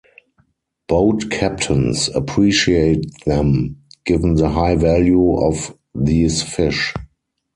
Boat captains appreciate them, given the high value of these fish.